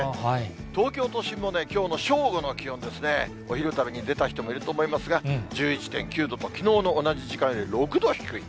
東京都心もきょうの正午の気温ですね、お昼食べに出た人もいると思いますが、１１．９度と、きのうの同じ時間より６度低い。